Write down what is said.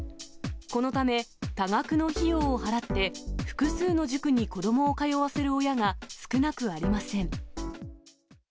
このため、多額の費用を払って、複数の塾に子どもを通わせる親が少なくありません。